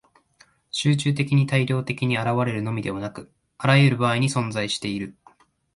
集中的に大量的に現れるのみでなく、あらゆる場合に存在している。